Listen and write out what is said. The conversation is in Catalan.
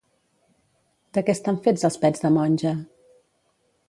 De què estan fets els pets de monja?